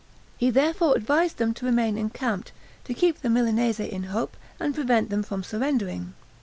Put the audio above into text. He therefore advised them to remain encamped, to keep the Milanese in hope, and prevent them from surrendering.